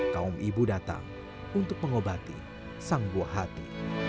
kaum ibu datang untuk mengobati sang buah hati